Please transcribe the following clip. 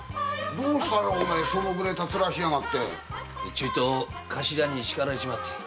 ちょいと頭に叱られちまって。